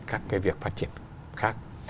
các cái việc phát triển khác